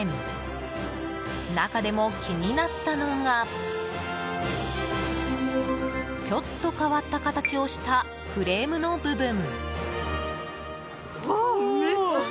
中でも気になったのがちょっと変わった形をしたフレームの部分。